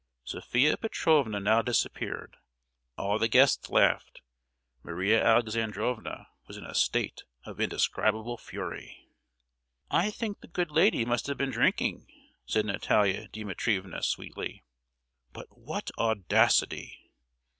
Sophia Petrovna now disappeared. All the guests laughed; Maria Alexandrovna was in a state of indescribable fury. "I think the good lady must have been drinking!" said Natalia Dimitrievna, sweetly. "But what audacity!"